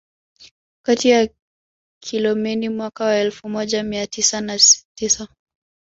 Kata ya Kilomeni mwaka wa elfu moja mia tisa na tisa